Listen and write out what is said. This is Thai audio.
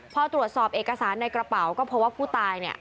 พอตรวจสอบเอกสารในกระเป๋าก็เพราะว่าผู้ตายเนี่ย